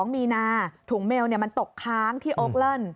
๒๒มีนาถุงเมล์มันตกค้างที่โอกเลิศ